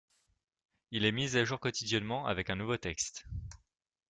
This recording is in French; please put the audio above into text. Il est mis à jour quotidiennement avec un nouveau texte.